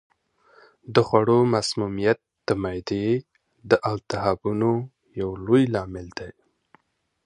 د خوړو مسمومیت د معدې د التهابونو یو لوی لامل دی.